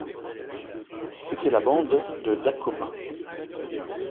C'était la bande de Dacoma.